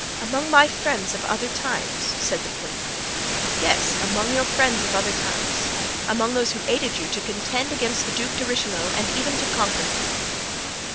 "Among my friends of other times?" said the queen. "Yes, among your friends of other times; among those who aided you to contend against the Duc de Richelieu and even to conquer him."